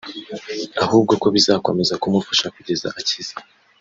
ahubwo ko bizakomeza kumufasha kugeza akize